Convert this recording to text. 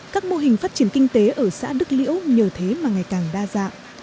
các mô hình phát triển kinh tế ở xã đức liễu nhờ thế mà ngày càng đa dạng